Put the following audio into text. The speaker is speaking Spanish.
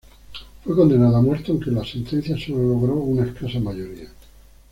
Fue condenado a muerte, aunque la sentencia sólo logró una escasa mayoría.